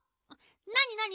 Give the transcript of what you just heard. なになに？